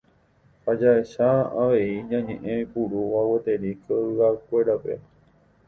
ha jahecha avei ñe'ẽ oiporúva gueteri koyguakuéra.